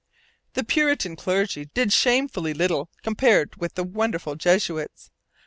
The Puritan clergy did shamefully little compared with the wonderful Jesuits.